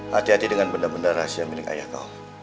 hati hati dengan benda benda rahasia milik ayah kau